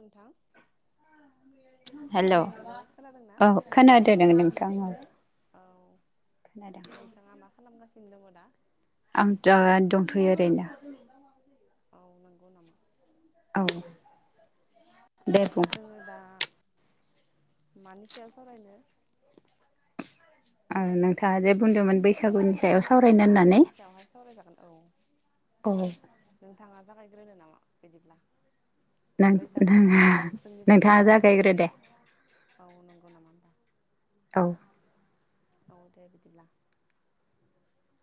नोंथां? हेलौ औ खोनादों औ नोंथाङा औ। औ खोनादों नोंथाङा मा खालामगासिनो दङ दा? आं दा दंथ'यो ओरैनो। औ नोंगौ नामा? औ। दे बुं जोङो दा मानि सायाव सावरायनो? ओ नोंथाङा जे बुंदोंमोन बैसागुनि सायाव सावराय बैसागोनि सायावहाय सावरायजागोन औ। औ। नोंथाङा जागायग्रोनो नामा बिदिब्ला? नों बैसागुखौ नोंहा जोङो जोंनि नोंथाङा बर'फोरा जागायग्रो दे औ नोंगौ नामा होमबा? औ। औ दे बिदिब्ला।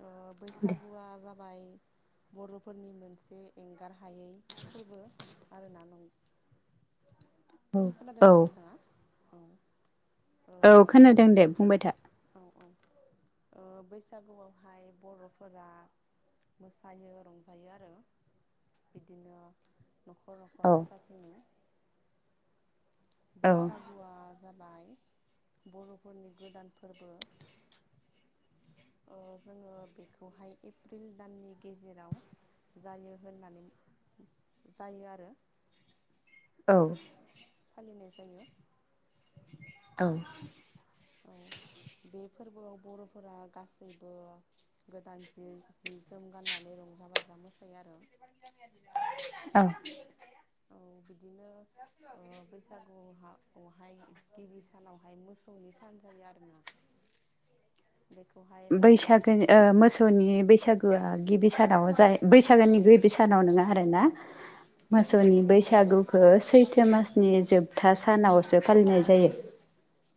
ओ दे बैसागुआ जा बाय बर'फोरनि मोनसे एंगारहायै फोर्बो आरोना। न औ औ खोनादोंना नोंथाङा? औ। ओ औ खोनादों दे बुंबाय था। औ औ ओ बैसागुआवहाय बर'फोरा मोसायो रंजायो आरो बिदिनो न'खर न' खर औ मोसाथिङो। औ बैसा‌ गुवा जाबाय बर'फोरनि गोदान फोर्बो। ओ जोङो बेखौहाय एप्रिल दाननि गेजेराव जायो होननानै जायो आरो। औ। फालिनाय जायो। औ। औ बे फोर्बोआव बर'फोरा गासैबो गोदान जि जि जोम गाननानै रंजा बाजा मोसायो आरो। औ। औ बिदिनो ओ बैसागुवावहा बहाय गिबि सानावहाय मोसौनि सान जायो आरोना। बेखौहाय लाव बेैसागो ओ मोसौनि बैसागोआ गिबि सानाव जा बैसागोनि गिबि सानाव नोङा आरो ना। [inaudible] मोसौनि औ बैसागुखौ सैथो मासनि जोबथा सानावसो फालिनाय जायो।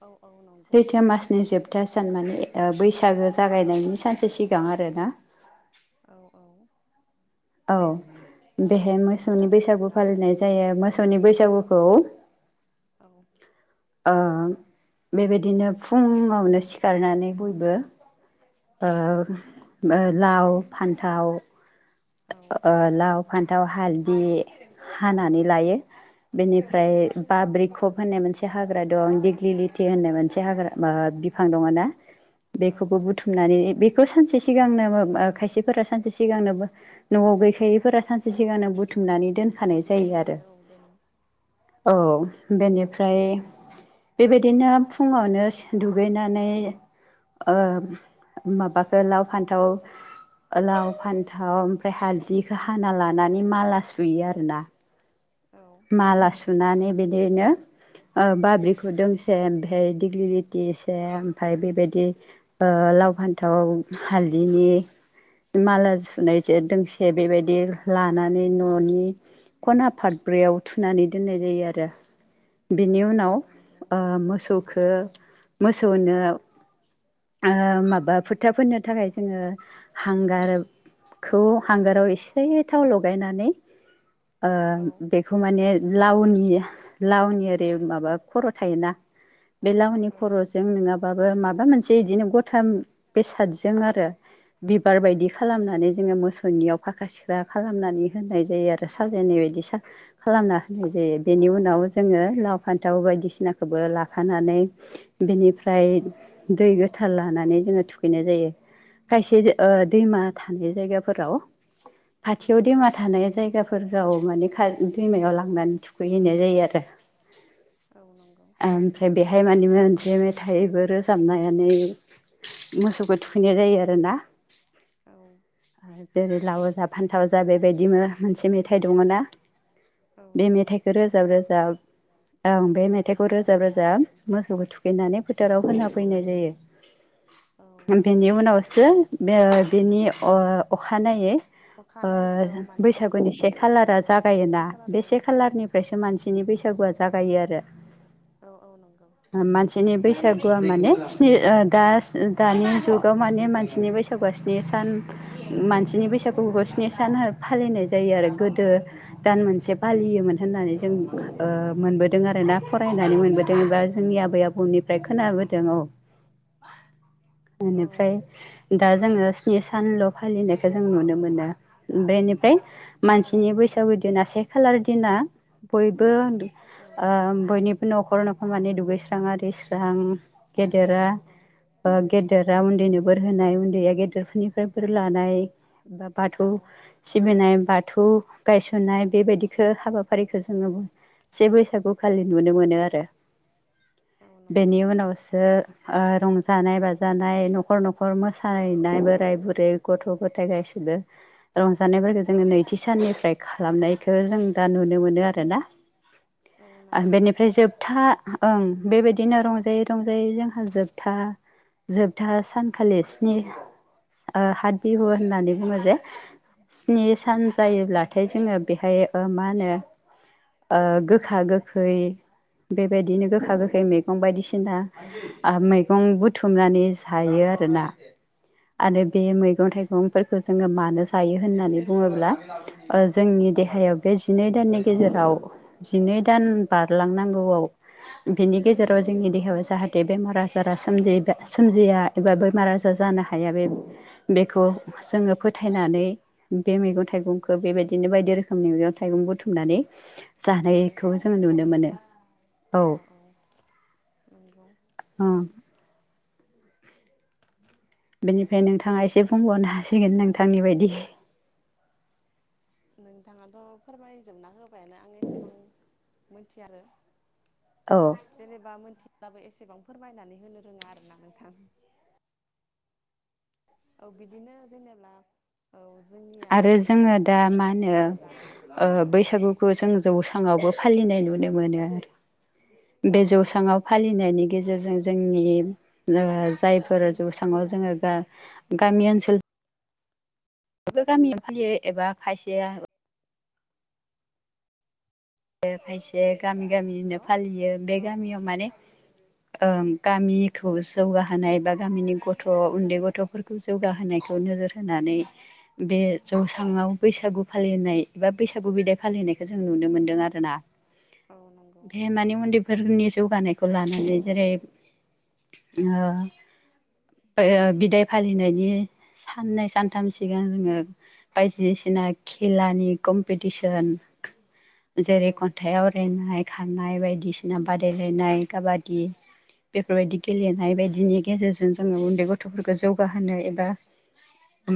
औ औ नं सैथो मासनि जोबथा सान माने बैसागो जागायनायनि सानसो सिगां आरोना। औ औ। औ आंना बेहाय गोरोन्थि मोसौनि जाबाय आरो बैसागु होनब्ला फालिनाय जायो मोसौनि बैसागुखौ। औ। औ बेबायदिनो फुङावनो सिखारनानै बयबो ओ लाव फान्थाव औ ओ लाव फान्थाव हालदि हानानै लायो बेनिफ्राय बाब्रि खप होननाय मोनसे हाग्रा दं दिगलिलिथि होननाय मोनसे हाग्रा मा बिब फां दङ ना औ बेखौबो औ बुथुमनानै बे खौ सानसे सिगांनो खायसेफोरा सानसे सिगांनोबो न'आव गैखायैफोरा सानसे सिगांनो बुथुमनानै दोन खानाय जायो बुथुमनानै आरो औ दोनो औ बेनिफ्राय बेबायदिनो फुङावनो दुगैनानै ओ माबाखो लाव फान्थाव लाव फान्थाव ओमफ्राय हालदिखो हाना लानानै माला सुयो आरो ना औ माला सुनानै बेदिनो ओ बाब्रिखौ दोंसे भे दिग्लिलिति एसे ओमफाय बेबायदि ओ लाव फान्थाव हालदिनि माला सुनायजो दोंसे बेबायदि लानानै न'नि खना फादब्रैयाव थुनानै दोननाय जायो आरो बिनि औ उनाव नंगौ ओ मोसौखो मोसौनो माबा फोथा फोननो थाखाय जोङो हांगार खौ हांगाराव एसे थाव लगायनानै औ बेखौ माने लावनि लावनि ओरै माबा खर' थायोना बे लावनि औ खर'जों नङाबाबो माबा मोनसे बिदिनो गथाम बेसादजों आरो बिबार बायदि खालामनानै जोङो मोसौनियाव फाखा सिखा खालामनानै होनाय जायो आरो साजायनाय बायदि साखा खालामना होनाय जायो औ बेनि उनाव अ जोङो लाव फान्थाव उम बायदिसिनाखौबो लाखानानै बेनिफ्राय दै गोथार लानानै जोङो थुखैनाय जायो खायसे ओ दैमा थानाय जायगाफोराव खाथियाव दैमा थानाय जायगाफोराव माने खा दैमायाव लांनानै थुखैहैनाय जायो आरो रौ नांगौ ओमफ्राय बेहाय मानिे मोनसे मेथाइबो रोजाबनायनानै मोसौखौ थुखैनाय जायो आरोना औ जेरै लाव जा फान्थाव जा बेबायदि मोनसे मेथाइ दङ ना औ बे नंगौ मेथाइखौ रोजाब रोजाब आं बे मेथाइखौ रोजाब रोजाब मोसौखौ थुखैनानै फोथाराव होना फैनाय जायो। औ बेनि उनावसो बेनि अखानायै अखानायैसो औ मानसिनि बैसागुनि से औ खालारा जाग से खालाराव बेसे खालारनिफ्रायसो मानसिनि बैसागुआ जागायो आरो। औ औ नंगौ। मानसिनि बैसागुआ माने स्नि ओ दास ओ दानि जुगाव माने मानसिनि बैसागु जौगास्नि सान मानसिनि बैसागु स्नि सान फालिनाय जायो आरो। गोदो दान औ मोनसे फालियोमोन होननानै जों ओ मोनबोदों आरोना। औ फरायनानै मोनबोदों मोनथिनो एबा मोनो आरो जोंनि औ आबै आबौनिफ्राय खोनाबोदों औ। औ बेनिफ्राय दा जोङो स्नि सानल' फालिनायखौ जों नुनो मोनो बेनिफाय औ मानसिनि नंगौ बैसागु दिना से खालार दिना बयबो औ ओ बयनि न'खर न'खर मानि दुगैस्रां आरि स्रां गेदेरा औ। ओ गेदेरा गेदेरा उन्दैनो बोर होनाय उन्दैया गेदेरफोरनिफ्राय बोर लानाय। बोर बा बाथौ लानाय औ सिबिनाय बाथौ गायस'नाय बेबायदिखौ हाबाफारिखौ जोङो से बैसागु खालि नुनो मोनो आरो औ नंगौ बेनि उनावसो ओ रंजानाय बाजानाय न'खर न'खर मोसाहैनाय बोराय बुरै गथ' गथाय गासैबो रंजानायफोरखौ जोङो नैथि साननिफ्राय खालामनायखौ जों दा नुनो मोनो आरोना। औ। आर नंगौ बेनिफ्राय जोबथा ओं बेबायदिनो रंजायै रंजायै जोंहा जोबथा जोबथा सानखालि स्नि ओ हाथ बिहु होननानै बुङो जे स्नि सान औ जायोब्लाथाय जोङो बेहाय ओ मा होनो ओ गोखा गोखै बेबायदिनो गोखा गोखै मैगं बायदिसिना ओ मैगं बुथुमनानै जायो आरोना। आरो बे औ मैगं थाइगंफोरखौ जोङो मानो जायो होननानै बुङोब्ला। ओ जोंनि देहायाव बे जिनै दाननि गेजेराव जिनै दान बारलांनांगौआव बिनि औ गेजेराव जोंनि देहायाव जाहाथे बेमार आजारा सोमजिदो सोमजगया। एबा बेमार आजार जानो हाया बे बेखौ जोङो फोथायनानै बे मैगं थाइगं ओ बेबायदिनो बायदि रोखोमनि मैगं थाइगं बुथुमनानै बुथुमनानै जानायखौ औ जों नुनो मोनो। औ नंगौ अ। बेनिफ्राय नोंथाङा एसे बुंबावनो हासिगोन नोंथांनि बायदि। नोंथाङाथ' फोरमायजोबना होबायानो आं एसेबां मोनथिया आरो। औ। जेनेबा मोनथिब्लाबो एसेबां फोरमायनानै होनो रोङा आरो ना नोंथां। औ बिदिनो जेनेब्ला औ जोंनिया आरो बे जोङो दा मा बैसागुआवथ' होनो बर'फोरा औ औ। ओ बैसागुखौ जों जौसांवबो फालिनाय नुनो मोनो आरो औ बे जौसांआव फालिनायनि गेजेरजों जोंनि ओ जायफोर जौसाङाव जोङो गो गामि ओनसोल बेबो औ गामि‌ औ फालियो एबा खायसेया ए खायसे गामि गामिनो हेलौ फालियो बे औ औ गामियाव माने ओं गामिखौ जौगाहोनाय बा गामिनि गथ' उन्दै गथ'फोरखौ जौगाहोनायखौ नोजोर होनानै। बे जौसाङाव बैसागु फालिनाय एबा बैसागु बिदाय फालिनायखौ जों नुनो मोनदों आरो। ना औ नंगौ बे मानि उन्दैफोरनि जौगानायखौ लानानै जेरै- ओओ बिदाय फालिनायनि साननै सानथाम सिगां जोङो बायदिसिना खेलानि कम्पिटिसन। जेरै औ खन्थाइाव आवरायनाय खारनाय बायदिसिना बादायलायनाय काबादि। बेफोरबायदि गेलेनाय बायदिनि गेजेरजों जोङो उन्दै गथ' गथ'फोरखौ जौगाहोनो एबा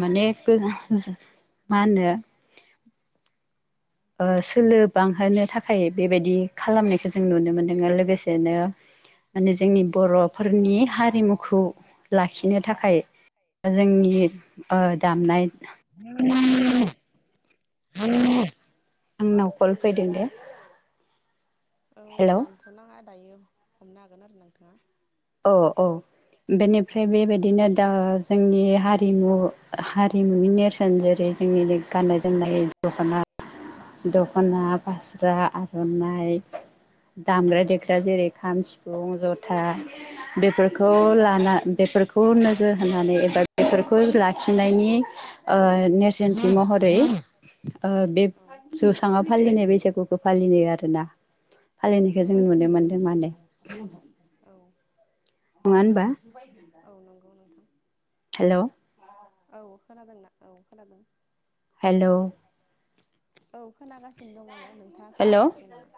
माने गो मा होनो सोलो बांहोनो थाखाय बे बायदि खालामनायखौ जों नुनो मोनदों। लोगोसेनो माने औ जोंनि बर' फोरनि हारिमुखौ लाखिनो थाखाय जोंनि ओ दामनाय, आंनाव कल फैदों दे। औ हेलौ दानथ'नाङा दायो हमनो हागोन आरो नोंथाङा। औ औ। औ बेनिफ्राय बे बायदिनो ओ जोंनि हारिमु हारिमुनि नेरसोन जेरै- जोंनि गाननाय-जोमनाय, दख'ना औ दख'ना फास्रा आर'नाइ। दामग्रा देग्रा जेरै खाम, सिफुं, जथा, बेफोरखौ औ लाना बेफोरखौ बेखौ नोजोर होनानै एबा बेफोरखौ लाखिनायनि ओ नेरसोनथि महरै ओ बे जौसाङाव फालिनाय बैसागुखौ फालियो आरोना। औ फालिनायखौ जों नुनो नंगौ मोन्दों। मानो औ। नङा होनबा। औ नंगौ नोंथां। हेल'। औ खोनादोंना औ खोनादों। हेल'। औ खोनागासिनो दं आङो नोंथाङा हेलौ खोनायाखै नामा?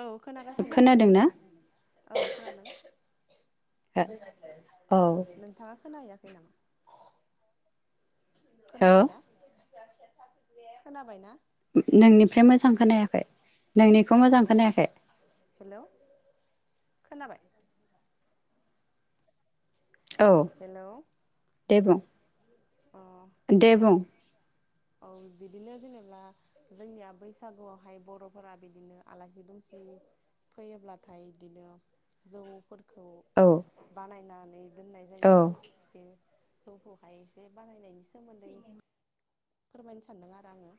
औ खोनागासिनो आङो खोनादोंना औ खोनांदों। औ। नोंथाङा खोनायाखै नामा? औ खोनाबायना खोनाबायना? नोंनिफ्राय मोजां खोनायाखै नोंनिखौ मोजां खोनायाखै। हेल' खोनाबाय। औ हेलौ दे बुं। अ दे बुं औ। बिदिनो जेनेबा जोंनिया बैसागुआवहाय बर'फोरा बिदिनो आलासि दुमसि फैयोब्लाथाय बिदिनो जौफोरखौ औ। बानायनानै दोननाय जायो। औ बे जौखौहाय बे बे बारानायनायनि सोमोन्दै फोरमायनो सानदों आरो आङो।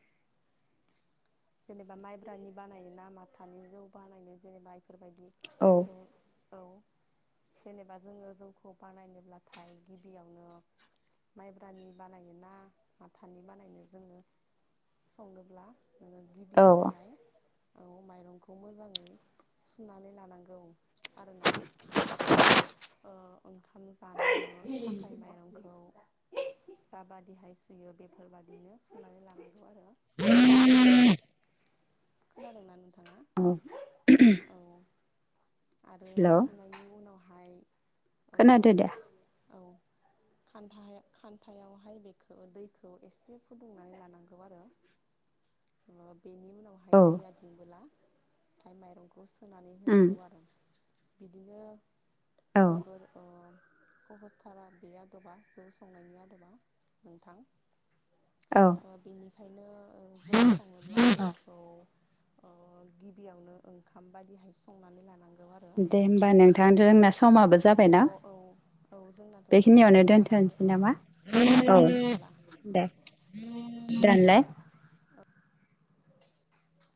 जेनेबा माइब्रानि बानाय नामाथानि जौ बानायनो जेनेबा इफोरबायदि औ। औ जेनेबा जोङो जौखौ बानायनोब्लाथाय गिबियावनो माइब्रानि बानायनो ना माथानि बानायनो जोङो संनोब्ला नोङो औ गिबियावहाय औ माइरंखौ मोजाङै सुनानै लानांगौ आरोना। ओंखाम जानो थाखाय माइरंखौ जाबादिहाय सुयो बेफोरबादिनो सुनानै लानांगौ आरो। [unintelligible] खोनादोंना नोंथाङा? औ। आरो हेलौ सुनायनि उनावहाय खोनादो दा औ खान्था खान्थायावहाय बेखौ दैखौ एसे फुदुंनानै लानांगौ आरो। अ बेनि उनाव हाय औ दैया दुंबोलाथाय माइरंखौ सोनानै उम होनांगौ आरो। बिदिनो औ जोबोर ओ कहस्थार आरो बे आदबा जौ संनायनि आदबा नोंथां। औ। ओ बेनिखायनो ओ जौ सङोब्ला जौखौ ओ गिबियावनो ओंखाम बायदिहाय संनानै लानांगौ आरो। दे होमबा नोंथां जोंना समाबो जाबायना। अ औ औ जोंनाथ' समाव बेखिनियावनो जाना फैबाय दोन्थ'सै औ नामा दे औ। बिदिब्ला दे दानलाय।